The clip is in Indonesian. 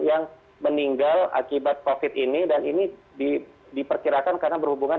yang meninggal akibat covid ini dan ini diperkirakan karena berhubungan